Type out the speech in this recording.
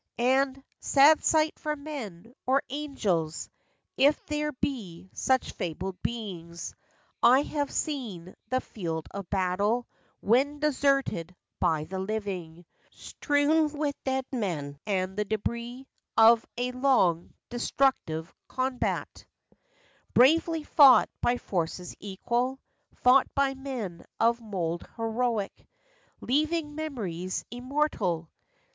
And—sad sight for men, or angels, If there be such fabled beings— I have seen the field of battle When deserted by the living, Strewn with dead men, and the debris Of a long, destructive, combat FACTS AND FANCIES. 61 Bravely fought by forces equal; Fought by men of mold heroic, Leaving memories immortal!